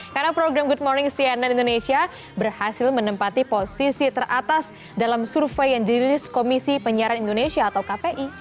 karena program good morning cnn indonesia berhasil menempati posisi teratas dalam survei yang dirilis komisi penyiaran indonesia atau kpi